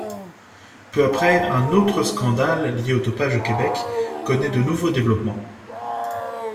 Peu après, un autre scandale lié au dopage au Québec connaît de nouveaux développements.